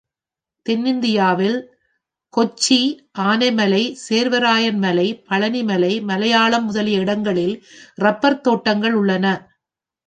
தென்னிந்தியாவில் கொச்சி, ஆனைமலை, சேர்வராயன் மலை, பழனிமலை, மலையாளம் முதலிய இடங்களில் இரப்பர் தோட்டங்கள் உள்ளன.